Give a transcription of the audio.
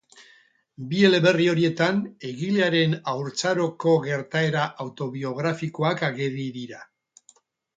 Bi eleberri horietan, egilearen haurtzaroko gertaera autobiografikoak ageri dira.